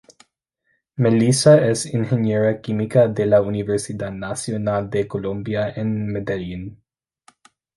Melissa es Ingeniera Química de La Universidad Nacional de Colombia en Medellín.